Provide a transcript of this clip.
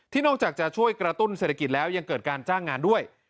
นอกจากจะช่วยกระตุ้นเศรษฐกิจแล้วยังเกิดการจ้างงานด้วย